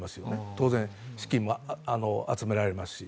当然、資金も集められますし。